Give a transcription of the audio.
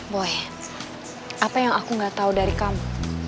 boy apa yang aku nggak tahu dari kamu